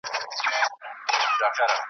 تل به تهمتونه د زندان زولنې نه ویني .